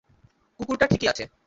কুকুরটা ঠিকই আছে!